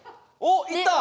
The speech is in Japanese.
おっいった！